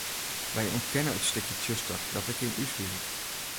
Wy ûntkenne it stikje tsjuster dat ek yn ús huzet.